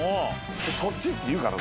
「そっち？」って言うかな？